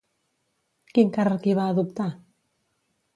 Quin càrrec hi va adoptar?